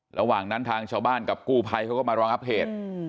ระหว่างนั้นทางชาวบ้านกับกู้ไพรเขาก็มาลองอัพเพจอืม